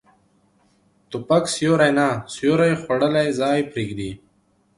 توپک سیوری نه، سیوری خوړلی ځای پرېږدي.